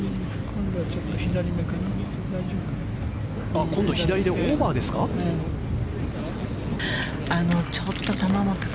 今度は左でオーバーですか。